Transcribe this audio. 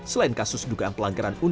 selain kasus dugaan pelanggaran